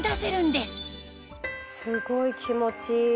すごい気持ちいい！